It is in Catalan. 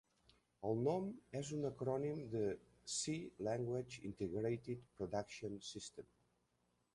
El nom és un acrònim de C Language Integrated Production System.